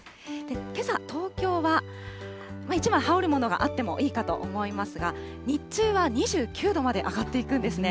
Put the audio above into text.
けさ、東京は、１枚羽織るものがあってもいいかと思いますが、日中は２９度まで上がっていくんですね。